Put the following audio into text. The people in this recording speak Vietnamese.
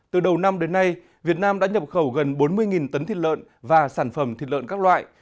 từ đầu năm đến nay việt nam đã nhập khẩu gần bốn mươi tấn thịt lợn và sản phẩm thịt lợn các loại